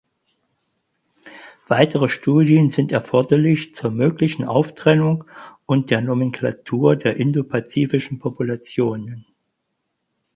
Weitere Studien sind erforderlich zur möglichen Auftrennung und der Nomenklatur der indopazifischen Populationen.